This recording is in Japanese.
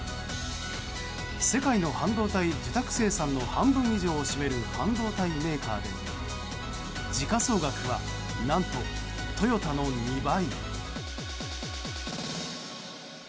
世界の半導体受託生産の半分以上を占める半導体メーカーで時価総額は何とトヨタの２倍。